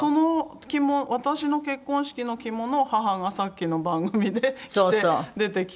私の結婚式の着物を母がさっきの番組で着て出てきて。